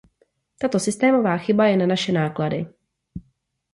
Tato systémová chyba je na naše náklady.